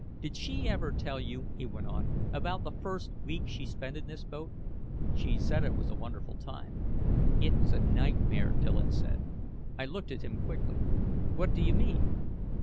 Did she ever tell you," he went on, "about the first week she spent in this boat?" "She said it was a wonderful time." "It was a nightmare," Dillon said. I looked at him quickly: "What do you mean?"